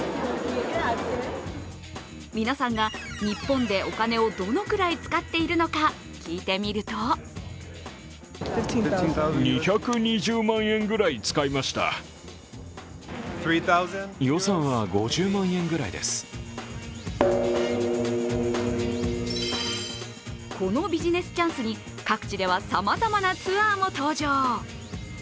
皆さんが日本でお金をどのくらい使っているのか、聞いてみるとこのビジネスチャンスに各地では、さまざまなツアーも登場。